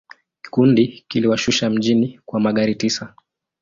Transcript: Kikundi kiliwashusha mjini kwa magari tisa.